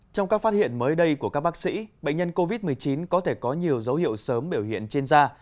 trong các phát hiện mới đây của các bác sĩ bệnh nhân covid một mươi chín có thể có nhiều dấu hiệu sớm biểu hiện trên da